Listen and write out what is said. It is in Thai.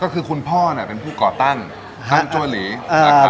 ก็คือคุณพ่อเป็นผู้ก่อตั้งตั้งจ้วยหลีอาหารแรก